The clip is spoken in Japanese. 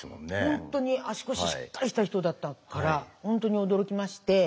本当に足腰しっかりした人だったから本当に驚きまして。